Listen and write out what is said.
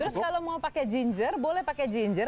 terus kalau mau pakai ginger boleh pakai ginger